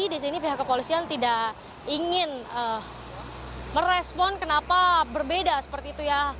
di sini pihak kepolisian tidak ingin merespon kenapa berbeda seperti itu ya